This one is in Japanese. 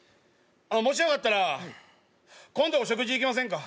あのもしよかったら今度お食事行きませんか？